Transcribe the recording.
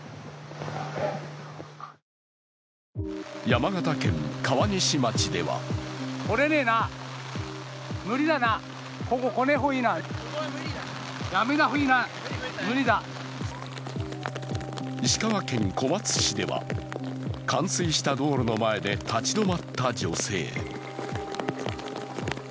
山形県川西町では石川県小松市では冠水した道路の前で立ち止まった女性。